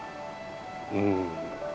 うん。